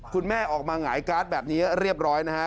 คุณแม่ออกมาหงายการ์ดแบบนี้เรียบร้อยนะฮะ